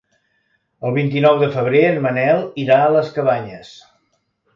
El vint-i-nou de febrer en Manel irà a les Cabanyes.